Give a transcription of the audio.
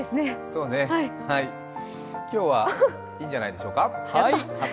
そうね、今日はいいんじゃないでしょうか。